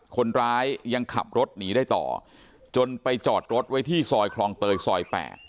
คนร้ายยังขับรถหนีได้ต่อจนไปจอดรถไว้ที่ซอยคลองเตยซอย๘